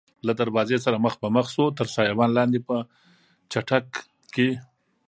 له دروازې سره مخ په مخ شوو، تر سایوان لاندې په چټک کې.